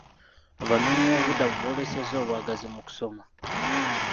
Abanoonyi b'obubudamu boolesezza obwagazi mu kusoma.